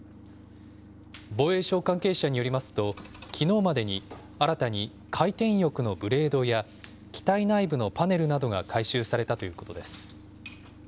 防衛省関係者によりますと、きのうまでに新たに回転翼のブレードや、機体内部のパネルなどが回収されたということです。